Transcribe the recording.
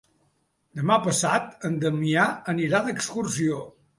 Demà passat en Damià anirà d'excursió.